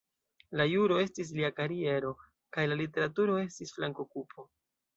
La juro estis lia kariero, kaj la literaturo estis flank-okupo.